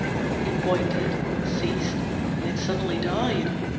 He pointed, ceased, then sudden died!